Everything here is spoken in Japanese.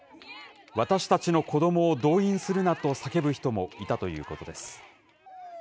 私たちの子どもを動員するなと叫ぶ人もいたということです。